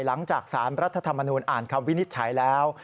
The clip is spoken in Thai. หลังจากสารรัฐธรรมนูญอ่านคำวินิจฉัยแล้ว